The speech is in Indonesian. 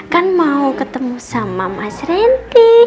kan mau ketemu sama mas rendy